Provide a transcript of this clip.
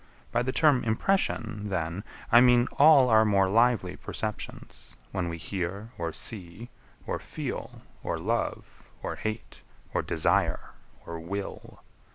By the term impression, then, I mean all our more lively perceptions, when we hear, or see, or feel, or love, or hate, or desire, or will.